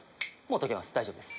解けます大丈夫です。